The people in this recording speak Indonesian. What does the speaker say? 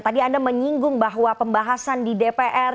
tadi anda menyinggung bahwa pembahasan di dpr